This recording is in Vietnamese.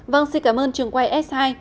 vâng xin cảm ơn trường quay s hai